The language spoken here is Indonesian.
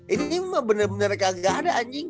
ini mah bener bener kagak ada anjing